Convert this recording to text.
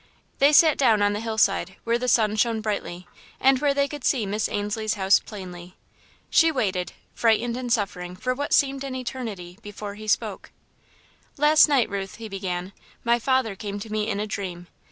They sat down on the hillside, where the sun shone brightly, and where they could see Miss Ainslie's house plainly. She waited, frightened and suffering, for what seemed an eternity, before he spoke. "Last night, Ruth," he began, "my father came to me in a dream.